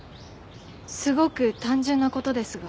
すごく単純な事ですが。